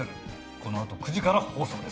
このあと９時から放送です。